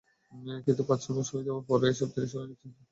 কিন্তু পাঁচ-ছয় মাস হয়ে যাওয়ার পরও এসব তিনি সরিয়ে নিচ্ছেন না।